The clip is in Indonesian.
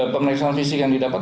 pemeriksaan fisik yang didapat